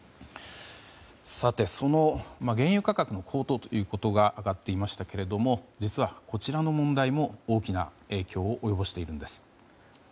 その原油価格の高騰ということが挙がっていましたが実は、こちらの問題も大きな影響を及ぼしているんです。